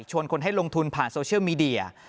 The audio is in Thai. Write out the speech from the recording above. คนให้ลงทุนผ่านโซเชียลมีเดีย